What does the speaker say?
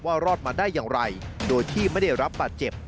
รอดมาได้อย่างไรโดยที่ไม่ได้รับบาดเจ็บ